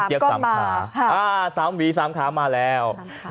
๓ก้องมา๓วีมาแล้ว